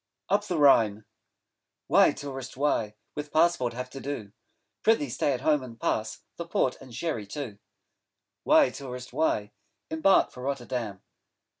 'UP THE RHINE' Why, Tourist, why With Passport have to do? Pr'ythee stay at home and pass The Port and Sherry too. Why, Tourist, why 5 Embark for Rotterdam?